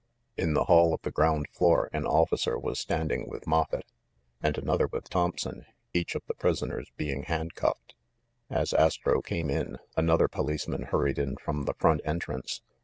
In the hall of the ground floor an officer was standing with Moffett, and another with Thompson, each of the prisoners being handcuffed. As Astro came up, another policeman hurried in from the front entrance.